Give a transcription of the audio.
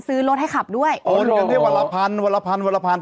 ซื้อรถให้ขับด้วยโอนกันได้วันละพันวันละพันวันละพัน